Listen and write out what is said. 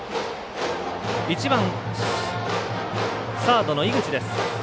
１番、サードの井口。